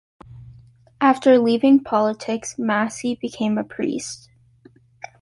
After leaving politics, Massey became a priest.